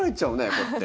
こうやって。